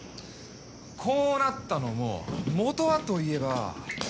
こうなったのも本はといえば。